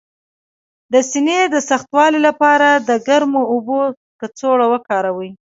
د سینې د سختوالي لپاره د ګرمو اوبو کڅوړه وکاروئ